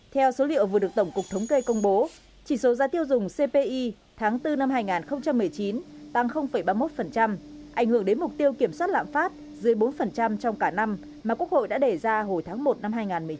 theo số liệu vừa được tổng cục thống kê công bố chỉ số giá tiêu dùng cpi tháng bốn năm hai nghìn một mươi chín tăng ba mươi một ảnh hưởng đến mục tiêu kiểm soát lạm phát dưới bốn trong cả năm mà quốc hội đã để ra hồi tháng một năm hai nghìn một mươi chín